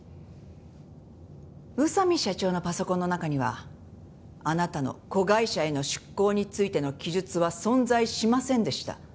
宇佐美社長のパソコンの中にはあなたの子会社への出向についての記述は存在しませんでした。